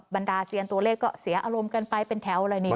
บรรดาเซียนตัวเลขก็เสียอารมณ์กันไปเป็นแถวเลยนี่